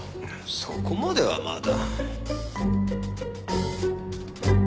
そこまではまだ。